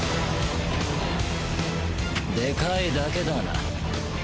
でかいだけだな。